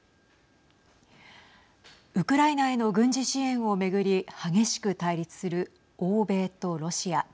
ウクライナへの軍事支援を巡り激しく対立する欧米とロシア。